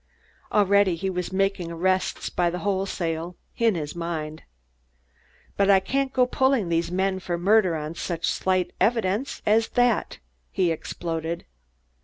Already, he was making arrests by the wholesale, in his mind. "But I can't go pulling these men for murder on such slight evidence as that," he exploded.